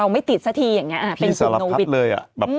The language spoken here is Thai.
พี่สารพัดเลยอะ